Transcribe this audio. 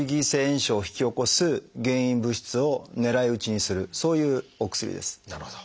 炎症を引き起こす原因物質を狙い撃ちにするそういうお薬です。